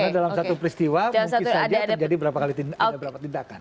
karena dalam satu peristiwa mungkin saja terjadi beberapa tindakan